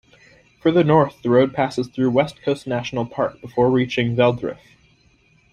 Further north the road passes through West Coast National Park before reaching Velddrif.